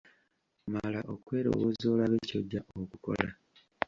Mala okwerowooza olabe kyojja okukola.